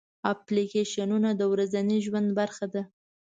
اپلیکیشنونه د ورځني ژوند برخه ده.